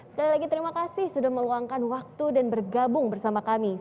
sekali lagi terima kasih sudah meluangkan waktu dan bergabung bersama kami